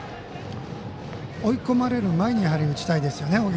追い込まれる前に打ちたいですよね。